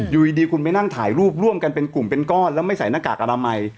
อยู่ดีคุณไปนั่งถ่ายรูปร่วมกันเป็นกลุ่มเป็นก้อนแล้วไม่ใส่หน้ากากอนามัย